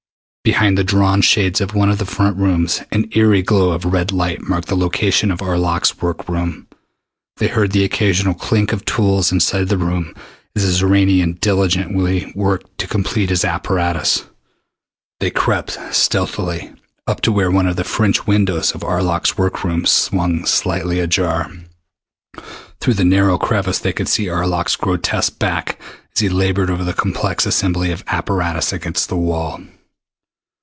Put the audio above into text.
Behind the drawn shades of one of the front rooms an eery glow of red light marked the location of Arlok's work room. They heard the occasional clink of tools inside the room as the Xoranian diligently worked to complete his apparatus. They crept stealthily up to where one of the French windows of Arlok's work room swung slightly ajar. Through the narrow crevice they could see Arlok's grotesque back as he labored over the complex assembly of apparatus against the wall.